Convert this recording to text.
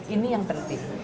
ini yang penting